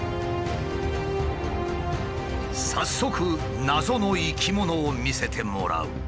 早速謎の生き物を見せてもらう。